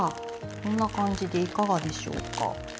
こんな感じでいかがでしょうか。